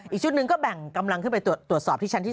อีกชุดหนึ่งก็แบ่งกำลังขึ้นไปตรวจสอบที่ชั้นที่๒